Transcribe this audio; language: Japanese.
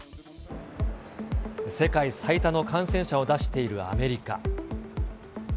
世界最多の感染者を出しているアメリカ。